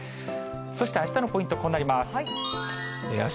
そしてあしたのポイント、こうなります。